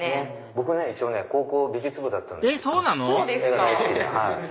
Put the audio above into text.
僕ね高校美術部だったんです。